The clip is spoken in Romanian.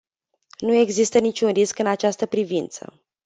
Nu există niciun risc în această privință.